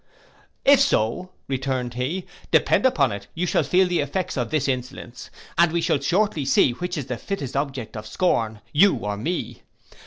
'If so,' returned he, 'depend upon it you shall feel the effects of this insolence, and we shall shortly see which is the fittest object of scorn, you or me.